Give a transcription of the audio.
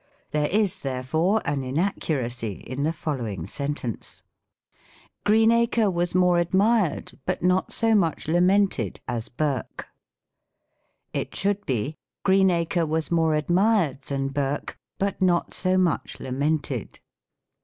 There is, therefore, an inaccuracy in the following sentence ;" Greenacre was more admired, but not so much lament ed, as Burke." It should be, "Greenacre was more admired than Burke, but not so much lamented."